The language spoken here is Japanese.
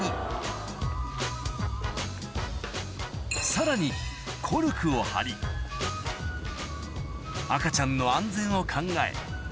さらにコルクを貼り赤ちゃんの安全を考え